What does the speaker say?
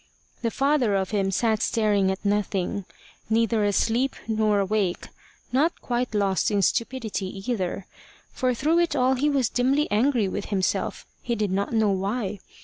The father of him sat staring at nothing, neither asleep nor awake, not quite lost in stupidity either, for through it all he was dimly angry with himself, he did not know why.